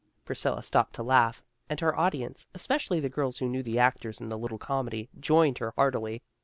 Priscilla stopped to laugh, and her audience, especially the girls who knew the actors in the little comedy, joined her heartily.